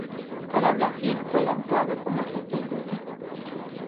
Para Brasil fue lanzado como tercer sencillo.